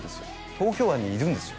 東京湾にいるんですよ